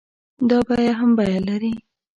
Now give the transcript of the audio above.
دا بيه هم بيه لري.